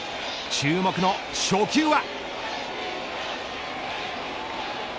注目の初球は。